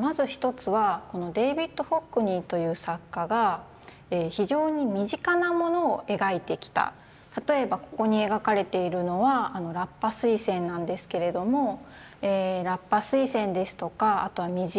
まず一つはこのデイヴィッド・ホックニーという作家が非常に例えばここに描かれているのはラッパスイセンなんですけれどもラッパスイセンですとかあとは身近な人物たち